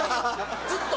ずっと。